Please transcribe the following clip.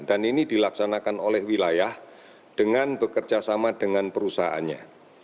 dan ini dilaksanakan oleh wilayah dengan bekerja sama dengan perusahaannya